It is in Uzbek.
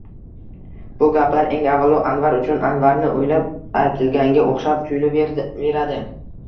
Bu gaplar, eng avvalo, Anvar uchun, Anvarni o’ylab aytilganga o’xshab tuyulaveradi.